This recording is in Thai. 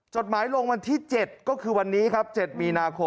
จดหมายลงวันที่๗ก็คือวันนี้ครับ๗มีนาคม